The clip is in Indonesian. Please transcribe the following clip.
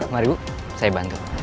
mari bu saya bantu